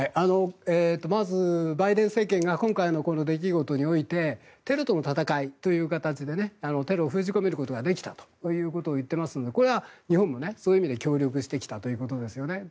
まず、バイデン政権が今回の出来事においてテロとの戦いという形でテロを封じ込めることができたと言っていますのでこれは日本もそういう意味では協力してきたということですよね。